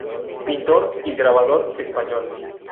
Pintor y grabador español.